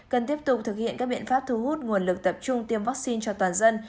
cần tiếp tục thực hiện các biện pháp thu hút nguồn lực tập trung tiêm vaccine cho toàn dân